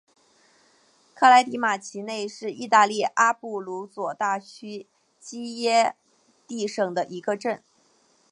科莱迪马奇内是意大利阿布鲁佐大区基耶蒂省的一个镇。